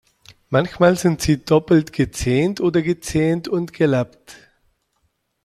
Manchmal sind sie doppelt gezähnt oder gezähnt und gelappt.